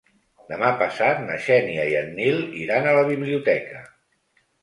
Demà passat na Xènia i en Nil iran a la biblioteca.